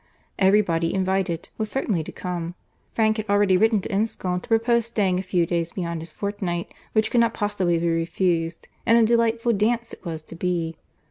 —Every body invited, was certainly to come; Frank had already written to Enscombe to propose staying a few days beyond his fortnight, which could not possibly be refused. And a delightful dance it was to be.